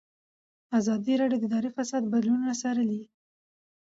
ازادي راډیو د اداري فساد بدلونونه څارلي.